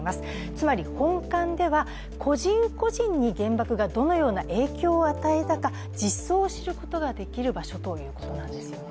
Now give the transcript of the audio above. つまり、本館では個人個人に原爆がどのような影響を与えたか、実相を知ることができる場所ということになります。